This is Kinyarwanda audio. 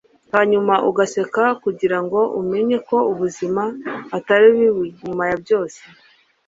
hanyuma ugaseka kugirango umenye ko ubuzima atari bubi nyuma ya byose.